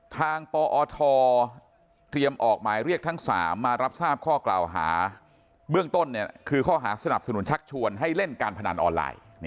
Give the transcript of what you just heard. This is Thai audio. ปอทเตรียมออกหมายเรียกทั้ง๓มารับทราบข้อกล่าวหาเบื้องต้นคือข้อหาสนับสนุนชักชวนให้เล่นการพนันออนไลน์